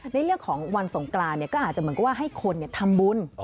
ในเรื่องของวันสงกรานก็อาจจะเหมือนกับว่าให้คนทำบุญ